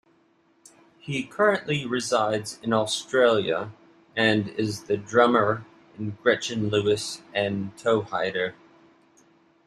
He currently resides in Australia and is the drummer in Gretchen Lewis and Toehider.